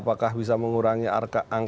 apakah bisa mengurangi angka pelecehan seksualnya